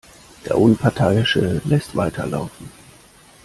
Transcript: Der Unparteiische lässt weiterlaufen.